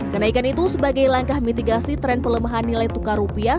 kenaikan itu sebagai langkah mitigasi tren pelemahan nilai tukar rupiah